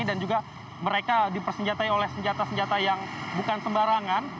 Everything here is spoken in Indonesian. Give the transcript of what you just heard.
dan juga mereka dipersenjatai oleh senjata senjata yang bukan sembarangan